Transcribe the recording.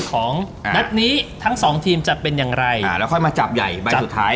ของนัดนี้ทั้งสองทีมจะเป็นอย่างไรอ่าแล้วค่อยมาจับใหญ่ใบสุดท้าย